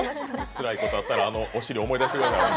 つらいことあったら、あのお尻思い出してください。